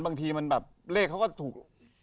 บางทีมันแบบเลขเขาก็ถูก